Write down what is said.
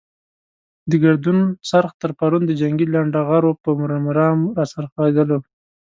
د ګردون څرخ تر پرون د جنګي لنډه غرو پر مرام را څرخېدلو.